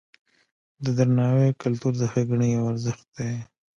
د درناوي کلتور د ښېګڼې یو ارزښت دی.